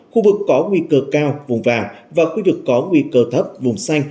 khu vực có nguy cơ cao vùng vàng và khu vực có nguy cơ thấp vùng xa